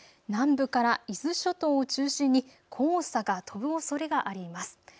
南部から伊豆諸島を中心に黄砂が飛ぶおそれがあります。